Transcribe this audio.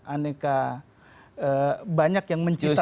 aneka banyak yang mencitrakan